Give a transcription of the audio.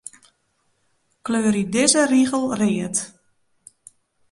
Kleurje dizze rigel read.